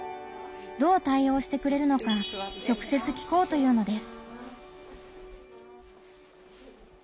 どう対応してくれるのか直接聞こうというのです。